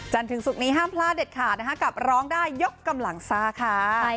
จันทร์ถึงศุกร์นี้ห้ามพลาดเด็ดขาดกับร้องได้ยกกำลังซา